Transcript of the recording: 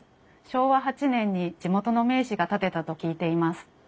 昭和８年に地元の名士が建てたと聞いています。